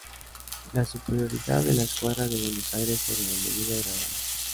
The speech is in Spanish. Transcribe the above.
La superioridad de la Escuadra de Buenos Aires sobre la enemiga era grande.